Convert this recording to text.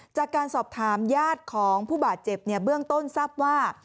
จากการสอบถามญาติของผู้บาดเจ็บเนี่ยเบื้องต้นทราบว่า